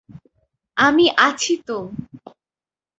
আমি আছি তো।